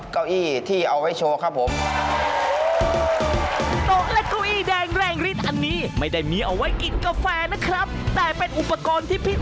ค่าทุกอย่างก็เกือบหมื่นนะครับค่าทุกอย่างก็เกือบหมื่นนะครับ